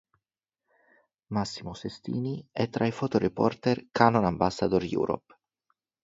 Massimo Sestini è tra i fotoreporter Canon Ambassador Europe.